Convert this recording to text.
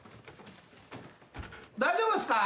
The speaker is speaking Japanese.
大丈夫っすか？